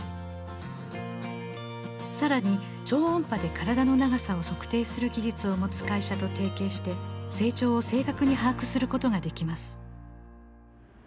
更に超音波で体の長さを測定する技術を持つ会社と提携して成長を正確に把握することができます。